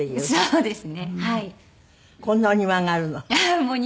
そうです。